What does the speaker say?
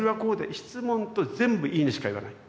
質問と全部「いいね」しか言わない。